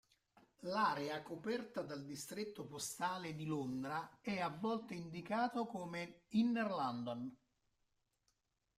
L'area coperta dal distretto postale di Londra è a volte indicato come "Inner London".